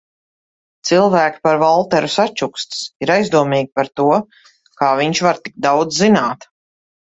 Cilvēki par Valteru sačukstas, ir aizdomīgi par to, kā viņš var tik daudz zināt.